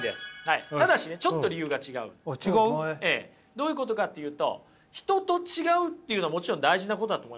どういうことかっていうと人と違うっていうのはもちろん大事なことだと思いますよ。